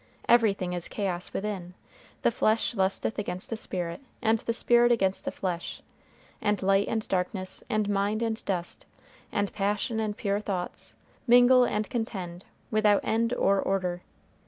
Everything is chaos within; the flesh lusteth against the spirit, and the spirit against the flesh, and "light and darkness, and mind and dust, and passion and pure thoughts, mingle and contend," without end or order.